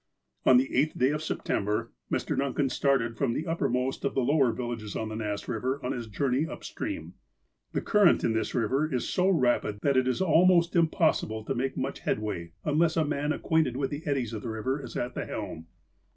On the eighth day of September, Mr. Duncan started from the uppermost of the lower villages on ]^ass Eiver on his journey up stream. The current in this river is so rapid that it is almost impossible to make much headway unless a man acquainted with the eddies of the river is at the helm.